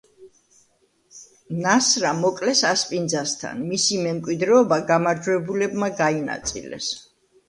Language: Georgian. ნასრა მოკლეს ასპინძასთან, მისი მემკვიდრეობა გამარჯვებულებმა გაინაწილეს.